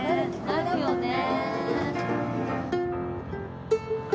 なるよね。